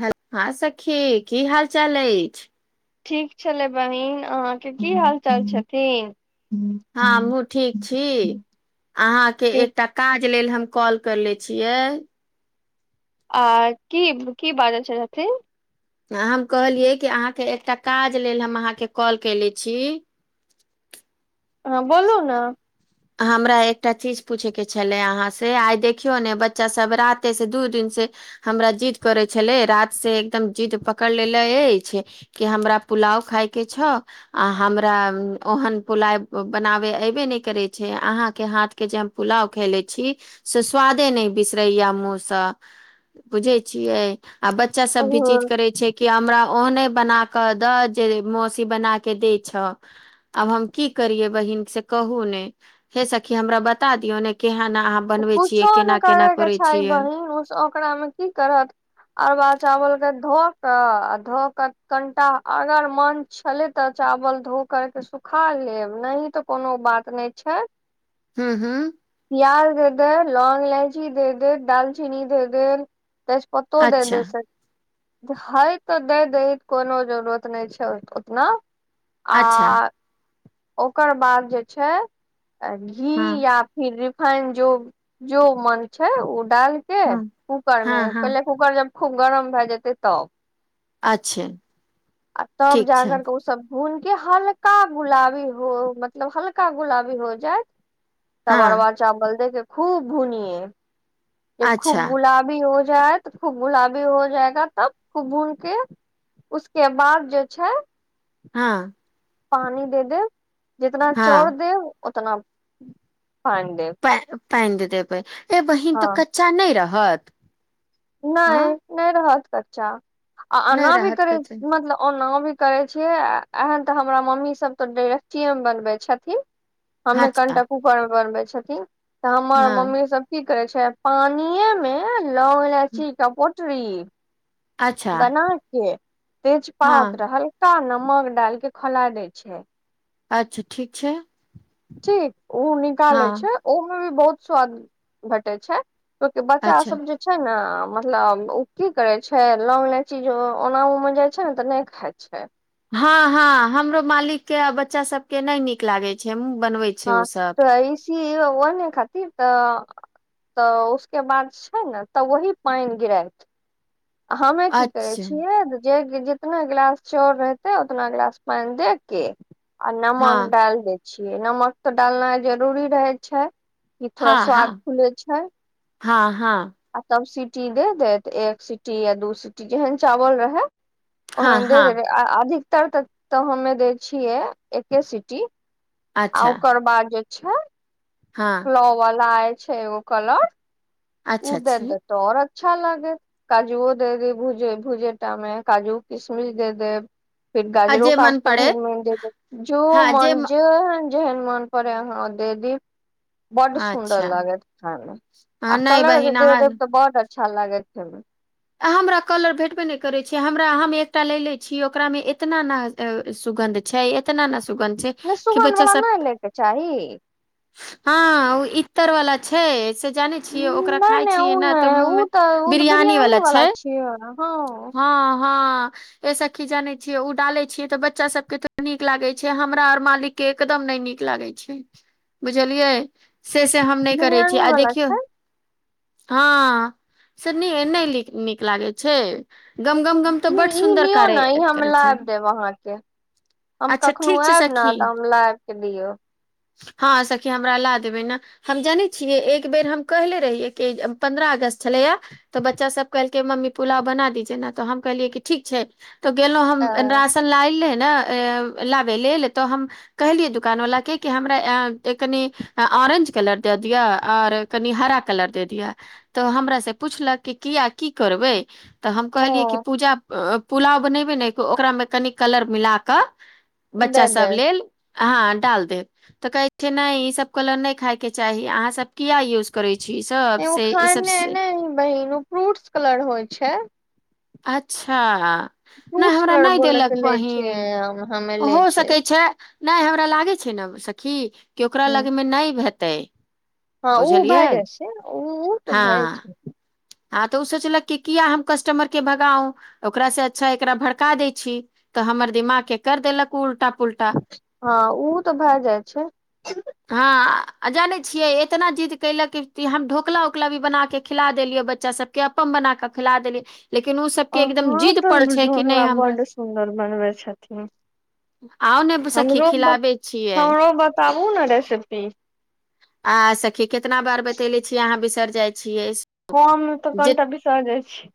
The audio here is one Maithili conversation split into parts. ह हँ सखी, की हाल-चाल अछि? ठीक छलै बहिन, अहाँके की हाल-चाल छथिन? हँ, हमहूँ ठीक। छी, अहाँके ठीक एकटा काज लेल हम कॉल करले छियै। आ की की बाजै [unintelligible] छथि? हम कहलियै कि अहाँके एकटा काज लेल हम अहाँके कॉल केले छी। हँ बोलू ने! हमरा एकटा चीज पूछयके छलै अहाँसँ। आइ देखियौ ने, बच्चा सभ रातिसँ दू दिनसँ हमरा जिद्द करै छलै रातसे एकदम जिद्द पकड़ लेले अछि कि हमरा पुलाव खायके छौ! आ हमरा ओहन पुलाय बनाबे अऐबे नइॅं करैत छै, अहाँके हाथके जे हम पुलाव खेने छी। से स्वादे नइॅं बिसरैय मुँहसँ, बुझै छियै आ बच बच्चा सब भी जिद ओ करै छै कि हमरा ओहने बनाकऽ दऽ जे मौसी बनाक के दै छै आब? हम की करियै, बहिन? से कहु ने! हे सखी, हमरा बता दियौ ने, केहन अहाॅं किछो नहि करयके छै, बहिन। ओ ओकरामे की करहक अरवा चावलके धो कऽ, आ धो कऽ कनिटा अगर मन छलै तऽ चाउर धो कऽ सुखा लेब, नहि तऽ कोनो बात नहि छै। हूॅं, हूॅं पिआज, दे देब, लॉंग, इलाची दे देब, दालचीनी दे देब तेजपतो देै अच्छा दैब सखी हय तऽ दे दही, कोनो जरूरत नहि छै उतना आ अच्छा ओकर बाद जे छै, घी डालब। हँ आ फेर रिफाइन, जे जे मन छै, ओ डालि कऽ हँ हँ कूकरमे हँ पहिने। कुकर जब खूब गरम भए जेतै तब अच्छे तब ठीक जा छै करके उ सब हुनके हल्का गुलाबी हो मतलब हल्का गुलाबी हो जायत तब हँ अरबा चावल दे के खूब भुनियए जब अच्छा खूब गुलाबी हो जाइत तऽ खूब गुलाबी हो [unintelligible] तब भुनके [unintelligible] बाद जे छै हँ पानि दे देब, जितना हँ चाउर देब उतना पानि देब पानि दे देबै, ए बहिन तऽ हँ कच्चा नहि रहत? नहि, हँ नहि रहत कच्चा, आ एना नहि भी रहत करै कच्चा मतलब ओना भी करे छियै एहन। हमरा मम्मी सभ तॅं डेगचीएमे बनबैत छथिन। हमे अच्छा कनिटा कुकरमे बनबै छथिन तऽ हमर हँ मम्मी सभ की करे छै पानियेमे लौंग-इलायचीक पोटरी अच्छा बना कऽ हँ तेजपात आ हल्का नमक डालि कऽ खौला देय छै। अच्छा ठीक छै ठीक ओ हँ निकाले छै ओहो में बहुत स्वाद भेटे छै ओके बच्चा अच्छा सभ जे छै ने मतलब ओ की करे छै लोन्ग ईलाईची ओना ओमे जाइ छै ने तऽ नई खाइ छै हँ-हँ, हमरो मालिकक बच्चा सभके नै नीक लागे छै। हमहु बनबैत छी। हँ त ऐसी आहेने खातिर तऽ तऽ उसके बाद छै न तऽ वही पाईन गिरात हमे की करे अच्छा छियै जेतने गिलास चाउर रहते उतना गिलास पानि दे के आ नमक हँ डाल देत छियै, नमक तऽ डालनाइ जरूरी रहै छै, कि थोड़ा हँ स्वाद हँ खुलै छै। हँ हँ आ तब सीटी दऽ देत एक सीटी वा दू सीटी, जेहन चाउर रहै हँ ओहेन हँ अधिकतर तऽ तऽ हमे दै छियै एके सिटी अच्छा आउ ओकर बाद जे छैई हँ वाला आय छै एगो कलर ओ अच्छा दे छी दे ते और अच्छा लागत काजूओ दऽ दी। भुजैत-भुजैत काजू-किशमिश दऽ देब। फेर आ गाजरो जे काटि मन कऽ पड़े महीन-महीन दऽ हँ दियौ, म- जे मन। जेहन मन पड़े अहा दे दी बड सुंदर अच्छा लागत खाय मऽ आ हँ नहि कलर बहिन दे अहाँ देब तऽ बड अच्छा लागत खाय मऽ हमरा कलर भेटबे नहि करै छै। हमरा हम एकटा लऽ ले छियै, ओकरामे एतना नहि। सुगन्ध छै, एतनऽ सुगन्ध छै। नई कि सुगंध बच्चा वाला सब नई लैके चाही हँ ओ इ्तर वाला छै से जाने छियै ओकरा नहि खाय नहि छियै ओ नऽ तऽ मुँहं मऽ बिरियानी वाला छै छि हँ हँ हँ ऐ सखि जाने छिय उ डाले छियै तऽ बच्चा सब के नीक लागे छै हमरा और मालिक कऽ एकदम नहि नीक लागे छै बुझलियै से से हम नई करै छी बिरियानी आ वाला देखियौ छै हँ, से नयऽ नीक नहि लागे छै। गम गम गम तऽ ई बड ई सुन्दर लियौ कार्य ने ई हम करै छै लाय देब अहाँके हम अच्छा कखनो ठीक छै आएब ने सखी तऽ हम ला के दियौ हँ सखी हमरा ला देबै नऽ हम जानै छियै। एक बेर हम कहने रहियै कि पन्द्रह अगस्त छलैए यह तऽ बच्चा सब कहलकै मम्मी पुलाव बना दीजिये न तऽ हम कहलियै कि ठीक छै तऽ गेलहुँ हम राशन लायल ने लाबै लेल तऽ हम कहलियै दुकान वला के कि हमरा कनि ऑरेंज कलर दए दिअ और कनि हरा कलर दे दिअ तऽ हमरा से पुछलक कि किया की करबै तऽ हम कहलियै, ओ पुलाव बनेबै ने। ओकरामे कनी कलर मिला कऽ बच्चा दे सब देब लेल हँ डाल देब तऽ कहै छै नई ईसभ कलर नई खायके चाही अहाँसभ किआ यूज करै छी ई सभ? से ई सभसँ? नय बहिन ओ फ्रूट्स कलर होइ छै अच्छा नय हमरा नय देलक बहिन आ [unintelligible] हो सकैत छै नहि हमरा लागै छै ने सखी कि ओकरा लगमे नहि हेतै हँ उ बुझलियै भैय जाय छै ओ तऽ हँ भए छै हँ तऽ उ सोचलक कि किया हम कस्टमरके भगाऊ ओकरासँ अच्छा एकरा भड़का दै छी तऽ हमर दिमाग के कर देलक उल्टा पुलटा हँ, उ तऽ भऽ जाइ छै। हँ आ जाने छियै एतना जिद कैला क हम ढोकला उकला भी बना के खिला देलियै बच्चा बच्चा सबके अप्पम बना कऽ खिला देलीये लेकिन ओ सबके एकदम अहाँ जिद तऽ पर छै कि नय ढोकला हमरा बड्ड सुन्दर बनबै छथिन आउ ने सखी खिलाबे छियै ताब ऊ न जाय सखतिये आ सखी कितना बार बतैले छीयै अहाँ बिसर जाइ छीयै हम तऽ कोनटा भीसा जाइ छी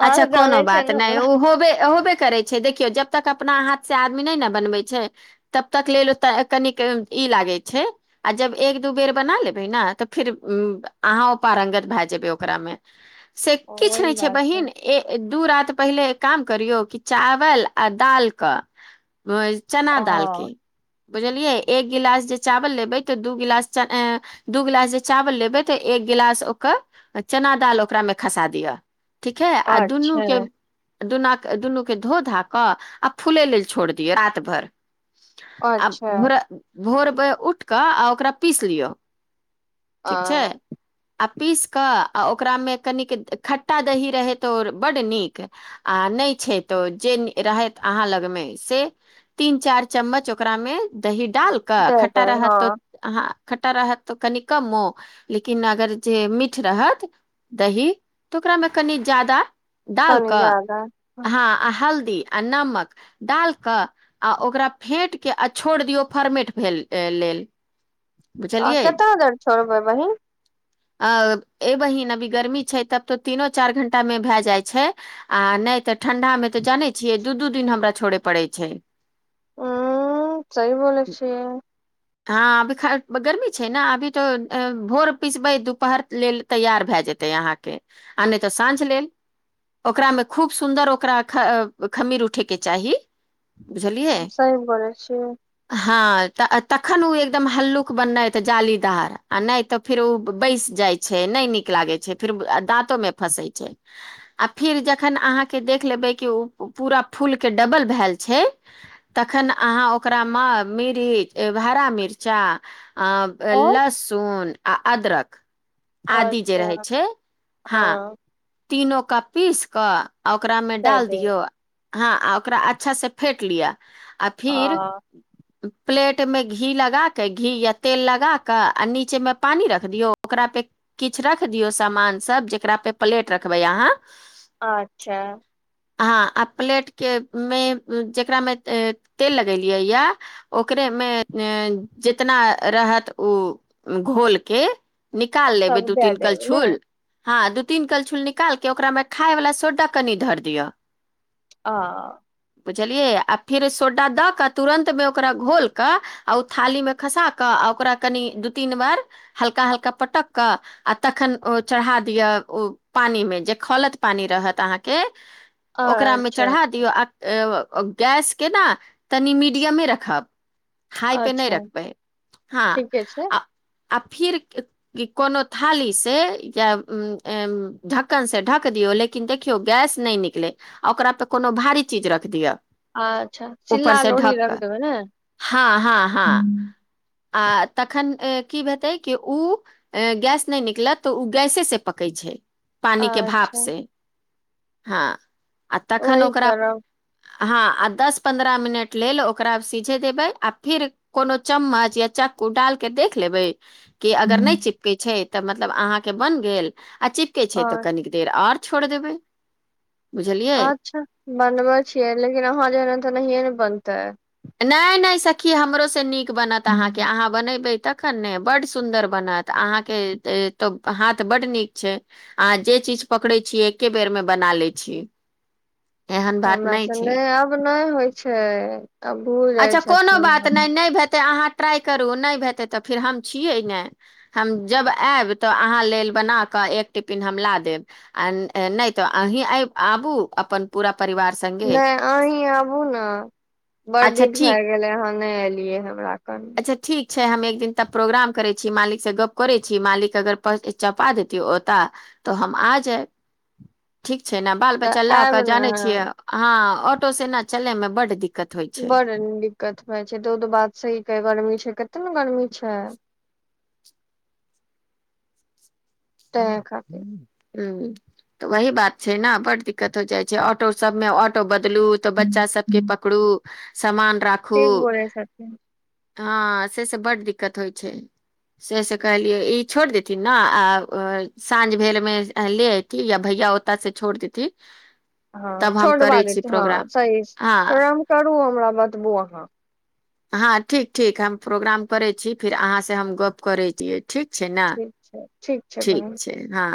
अहाँ अच्छा तऽ जानै कोनो छियै बात ने नय हमरा ओ होबे होबे करै छे देखियौ जब तक अपना हाथ से आदमी नय न बनबै छै तब तक लेल ओत ए कनिक ई लागे रहै आ जब एक दू बेर बना लेबे ने तऽ फिर अहाँ ओ पारंगत भय जेबे ओकरा मे से किछ वही नय छै बात बहिन ए दू रात पहिले एक काम करियौ कि चावल आ दाल क चना दाल ह के बुझलियै एक गिलास जे चावल लेबै तऽ दू गिलास ए दू गिलास जे चावल लेबै तऽ एक गिलास ओकर चना दाल ओकरामे खसा दिह ठीक है आ अच्छा दुनूके दुनक दुनू के धो धा कऽ आ फूले लेल छोड़ दियअ रात भर आ अच्छा भोर भोर मे उठ कऽ आ ओकरा पीस लिअ आ ठीक छाय [inaudible] आ पीस कऽ आ ओकरामे कनिक खट्टा दही रहै तऽ ओ बड्ड नीक आ नहि छै तऽ जे रहथि अहाँ लगमे से तीन चारि चम्मच ओकरा मे दही डाल क दे खटटा देब रहत हँ तऽ अहाँ खट्टा रहत तऽ कनि कमो लेकिन अगर जे मीठ रहत दही तऽ ओकरामे कनि ज्यादा डाल कनि कऽ जादा हँ आ हल्दी आ नमक डाल कऽ आ ओकरा फेटके आ छोड़ दियौ फर्मेट भेल अ लेल आ बुझलियै केता देर छोड़बै बहीन अ ए बहिन अभी गर्मी छै तब तो तीनो चार घंटा मे भए जाइ छै आ नहि तऽ ठंडा मे तऽ जानै छियै दू दू दिन हमरा छोड़य पड़ैय छै उ सही बोलै छीय हँ अभी ख गर्मी छै ने अभी तो भोर पिसबै दुपहर लेल तैयार भै जेतै आहाँ के आ नय तऽ साझ लेल ओकरामे खूब सुन्दर खमी उठयके चाही। सहि बोलै छी हाँ तऽ तखन ओ एकदम हलुक बनत, जालीदार। नहि तऽ फेर ओ बैस जाइ छै। छै नय नीक लागै छै फेर दाँतो मे फँसै छै आ फिर जखन अहाँके देख लेबै कि ओ पूरा फूलके डबल भैल छै तखन अहाँ ओकरामे मिरीच एब हरा मिर्चा आ और लहसुन आ अदरक आदि जे रहै अच्छा छै हँ तीनो कऽ पीस कऽ आ ओकरा मे दए डाल देब दियौ हँ आ ओकरा अच्छा से फेट लिअ आ फिर आ प्लेट मे घी लगाक घी या तेल लगा क आ नीचे मे पानी रख दियऔ ओकरा किछ रख दियौ सामान सब जेकरा पे प्लेट रखबै अहाँ अच्छा हँ आ प्लेट के मे जकरामे ए तेल लगेलियै यए ओकरे मे ने जितना रहत ओ घोलके निकाल लेबै सब दू दए तीन देब कल ने छुल हँ दू तीन करछुल निकालके ओकरामे खाय वला सोडा कनि धर दिअ आ बुझलियै आ फेर सोडा दऽ कऽ तुरन्तमे ओकरा घोल कऽ आ ओ थालीमे खसा कऽ, ओकरा कनि दू-तीन बार हल्का-हल्का पटक कऽ। आ तखन ओ चढ़ा दिअ ओ पानी मे जे खौलत पानी रहत अहाँ के ओकरामे अच्छा चढ़ा दियौ गैसके न तनि मीडियमे रखब हाय पे नहि अच्छा रखबै है हँ ठीके छै आ आ फिर कोनो थाली से या उ ए ढक्कन से ढक दियौ लेकिन किन देखियौ गैस नहि निकले आ ओकरा पर कोनो भारी चीज रख दियअ अच्छा सिल्ला ऊपरसँ लोढ़ी रख ढकन देबै ने हँ हँ हँ आ तखन की भेतै कि उ गैस नहि निकलत तऽ ओ गैसे से पकै छै पानी के भाप अच्छा से हँ आ तखन वही ओकरा करब हँ आ दस पन्द्रह मिनट लेल ओकरा सीझे देबै आ फिर कोनो चम्मच या चक्कू डाल के देख लेबै कि अगर नहि चिपकै छै तऽ मतलब अहाँके बन गेल आ चिपकै छै तऽ आओर कनि देर आर छोड़ि देबै, बुझलियै। बनबे छियै लेकिन अहाँ जेहेन तऽ नहिए ने बनते नहि नहि सखी हमरोसँ नीक बनत अहाँके अहाँ बनेबै तऽ तखन ने बड सुन्दर बनत अहाँके तो हाथ बड नीक छै अहाँ जे चीज पकड़ै छीयै एके बेरमे बना लै छीयै हमरा स नहि आब नहि होइ छै अ भू अच्छा कोनो बात नभ नभ हेतै अहाँ ट्राइ करू नईभ हेतै तऽ फेर हम छियै ने हम जब आयब तऽ अहाँ लेल बनाकऽ एक टिफिन हम ला देब आ नहि तऽ अही यै आबू अपन पूरा परिवार स नहि अहीं आबु न बड़ अच्छा दिर भए ठीक गेलै अहाँ नहि एलियै हमरा कन से ठीक छै हम एक दिन तऽ प्रोग्राम करै छी मालिकसँ गप्प करैत छी मालिक अगर चपा देैतिय ओतय तऽ हम आ जाएब ठीक छै ने बाल तऽ बच्चा लए आयब कऽ ने जानै छियै अहाँ अहाँ ऑटो से ने चले मे बड दिक्कत होइ छै बड़ निक्कत भइ जाय छै। तऽ बात सही कहैत छीगर्मी छै, कतेक ने गर्मी छै ह तैं हू खातिर ह तऽ वही बात छै न बड दिक्कत हो जाइ छै ऑटो सब मे ऑटो बदलू तऽ बच्चा सबके पकड़ू सामान राखू ठीक बोलै छथिन हँ से से बड दिक्कत होइ छै से से कहलियै ई छोड़ देथिन ना आ अ साँझ भेल मे ले यती या भैया ओत से छोड़ देथी हँ छोट ब देते हँ सही हँ तो हम करू हमरा बतबू अहाँ हँ ठीक ठीक हम प्रोग्राम करै छी फिर अहाँ से हम गप करैत छीय ठीक छै ने ठीक छै छै ठीक बहिन छय हँ